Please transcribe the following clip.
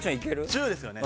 １０ですよね。